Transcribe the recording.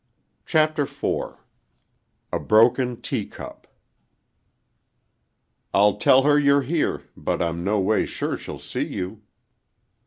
CHAPTER IV A BROKEN TEACUP "I'll tell her you're here, but I'm noways sure she'll see you."